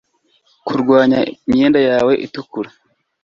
Kurwanya imyenda yawe itukura